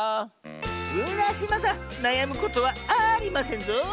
うらしまさんなやむことはありませんぞ。